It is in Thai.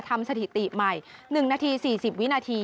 สถิติใหม่๑นาที๔๐วินาที